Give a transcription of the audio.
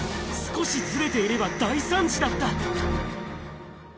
すこしずれていれば大惨事だった。